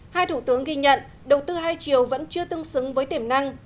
hai thủ tướng ghi nhận đầu tư hai chiều vẫn chưa tương xứng với tiềm năng